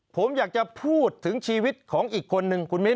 ผมอยากจะพูดถึงชีวิตของอีกคนนึงคุณมิ้น